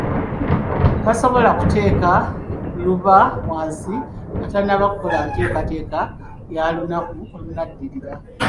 Tasobola kuteeka luba wansi nga tannaba kukola nteekateeka ya lunaku olunaddirira.